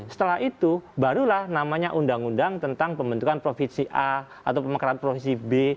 setelah itu barulah namanya undang undang tentang pembentukan provinsi a atau pemekaran provinsi b